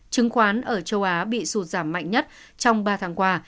chứng khoán ở châu á bị sụt giảm mạnh nhất trong ba tháng qua